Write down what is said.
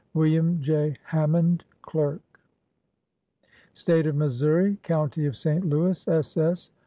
"WM. J. HAMMOND, Clerk." 11 State of Missouri, County of St. Louis, s. s.